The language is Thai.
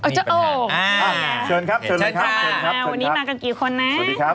โอ้โหชวนครับวันนี้มากันกี่คนนะ